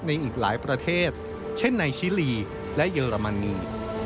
อีกหลายประเทศเช่นในชิลีและเยอรมนี